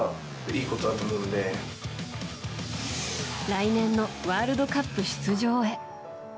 来年のワールドカップ出場へ。